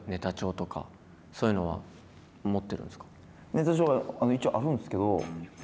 ネタ帳は一応あるんですけど。